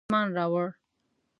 ایله ایمان راووړ.